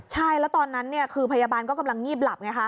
ใช่แล้วตอนนั้นพยาบาลกำลังงีบหลับ